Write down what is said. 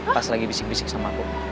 pas lagi bisik bisik sama aku